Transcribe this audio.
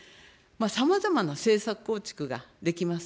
さまざまな政策構築ができます。